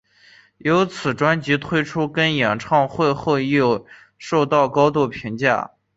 因此专辑推出跟演唱会后亦受到高度评价。